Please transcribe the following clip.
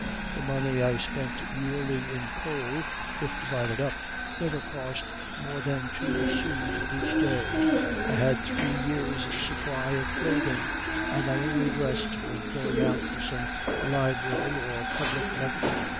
The money I spent yearly in coal, if divided up, never cost more than two sous for each day. I had three years' supply of clothing, and I only dressed when going out to some library or public lecture.